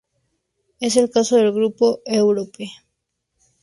Es el caso del grupo Europe.